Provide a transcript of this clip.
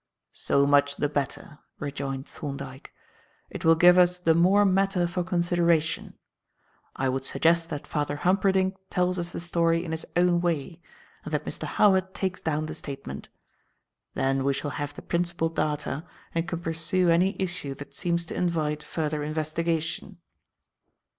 "So much the better," rejoined Thorndyke. "It will give us the more matter for consideration. I would suggest that Father Humperdinck tells us the story in his own way and that Mr. Howard takes down the statement. Then we shall have the principal data and can pursue any issue that seems to invite further investigation."